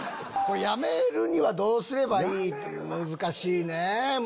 やめるにはどうすればいい難しいね。